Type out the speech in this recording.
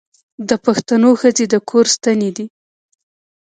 د پښتنو ښځې د کور ستنې دي.